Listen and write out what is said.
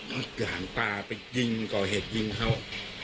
ทุกอย่างปลาไปยิงก่อเหตุยิงเขา